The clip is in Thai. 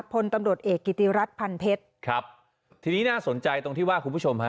พลตำรวจเอกกิติรัฐพันเพชรครับทีนี้น่าสนใจตรงที่ว่าคุณผู้ชมฮะ